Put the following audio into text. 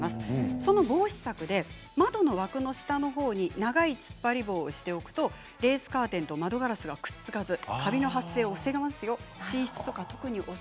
その防止策で窓の枠の下のほうに長いつっぱり棒をしておくとレースカーテンと窓ガラスがくっつかずカビの発生を防げますよ。